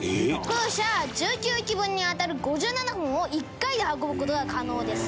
「風車１９基分に当たる５７本を１回で運ぶ事が可能です」